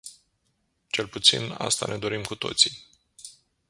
Cel puțin, asta ne dorim cu toții.